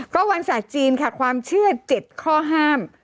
ก็วันศาสตร์จีนค่ะความเชื่อ๗ข้อห้าม